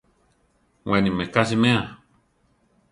Weni meká siméa.